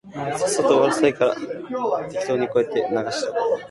レオン県の県都はレオンである